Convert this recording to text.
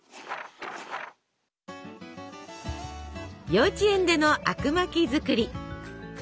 幼稚園でのあくまき作り。